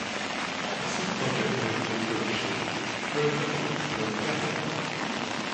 As his project moved to fruition, Schroeder looked for a piano player.